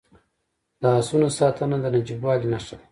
د اسونو ساتنه د نجیبوالي نښه ده.